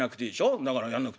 だからやんなくていいの」。